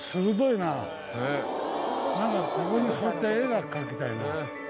なんかここに座って絵が描きたいな。